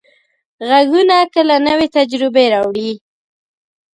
غږونه کله نوې تجربې راوړي.